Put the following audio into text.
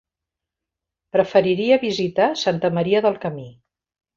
Preferiria visitar Santa Maria del Camí.